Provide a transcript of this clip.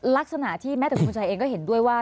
ลักษณะที่แม้แต่คุณชายเองก็เห็นด้วยว่า